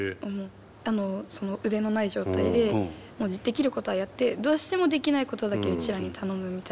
腕のない状態でできることはやってどうしてもできないことだけうちらに頼むみたいな。